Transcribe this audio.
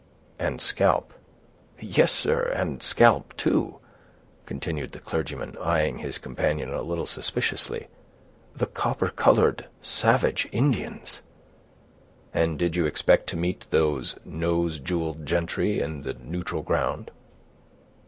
"And scalp!" "Yes, sir, and scalp too," continued the clergyman, eying his companion a little suspiciously; "the copper colored, savage Indians." "And did you expect to meet those nose jeweled gentry in the neutral ground?"